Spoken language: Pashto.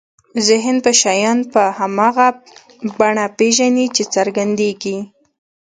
ذهن به شیان په هماغه بڼه وپېژني چې څرګندېږي.